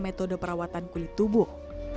metode perawatan kulit tubuh